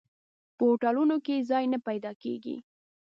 په هوټلونو کې ځای نه پیدا کېږي.